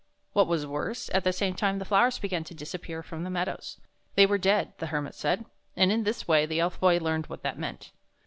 What was worse, at the same time the flowers began to disappear from the meadows. They were dead, the Hermit said, and in this way the Elf Boy learned what that meant.